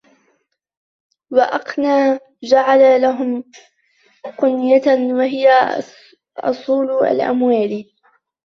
وَأَقْنَى جَعَلَ لَهُمْ قُنْيَةً وَهِيَ أُصُولُ الْأَمْوَالِ